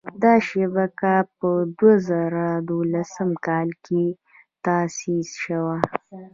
دا شبکه په دوه زره دولسم کال کې تاسیس شوه.